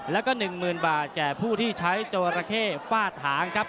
แล้วก็๑๐๐๐บาทแก่ผู้ที่ใช้จอราเข้ฟาดหางครับ